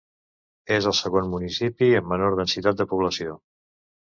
És el segon municipi amb menor densitat de població.